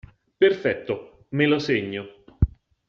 Perfetto me lo segno.